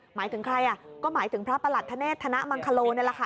หมายถึงใครอ่ะก็หมายถึงพระประหลัดธเนธนมังคโลนี่แหละค่ะ